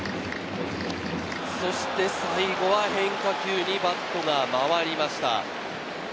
そして最後は変化球にバットが回りました。